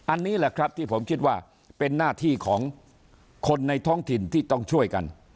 อันนี้แหละครับที่ผมคิดว่าเป็นหน้าที่ของคนในท้องถิ่นที่ต้องช่วยกัน